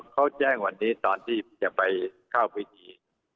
เขาแจ้งวันนี้ตอนที่จะไปเข้าพิธี